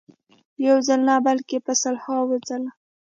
یو ځل نه بلکې په سلهاوو ځله.